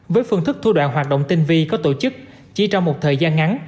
với phương thức thu đoạn hoạt động tinh vi có tổ chức chỉ trong một thời gian ngắn